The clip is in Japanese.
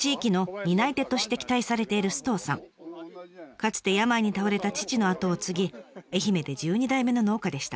かつて病に倒れた父の後を継ぎ愛媛で１２代目の農家でした。